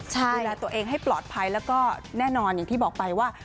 ดูแลตัวเองให้ปลอดภัยแล้วก็แน่นอนอย่างที่บอกไปว่า